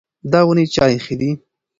دا ونې چا ایښې دي؟